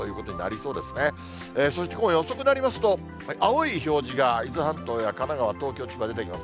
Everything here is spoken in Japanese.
そして今夜遅くなりますと、青い表示が伊豆半島や神奈川、東京、千葉、出てきます。